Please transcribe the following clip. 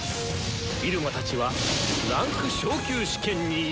入間たちは位階昇級試験に挑む！